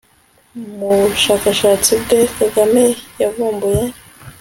mu bushakashatsi bwe kagame yavumbuye